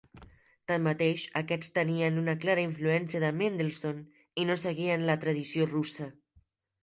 Tanmateix, aquests tenien una clara influència de Mendelssohn i no seguien la tradició russa.